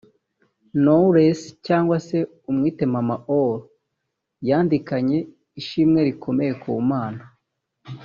Knowless cyangwa se umwite Mama ‘Or’ yandikanye ishimwe rikomeye ku Mana